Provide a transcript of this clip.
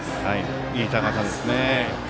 いい高さですね。